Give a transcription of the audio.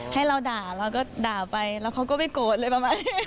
ให้เราด่าเราก็ด่าไปแล้วเขาก็ไม่โกรธอะไรประมาณนี้